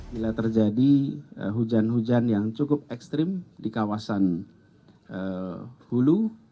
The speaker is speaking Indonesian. bila terjadi hujan hujan yang cukup ekstrim di kawasan hulu